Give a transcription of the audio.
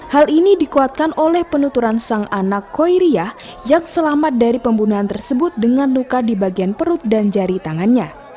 hal ini dikuatkan oleh penuturan sang anak koiriah yang selamat dari pembunuhan tersebut dengan luka di bagian perut dan jari tangannya